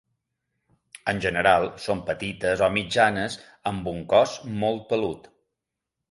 En general són petites o mitjanes amb un cos molt pelut.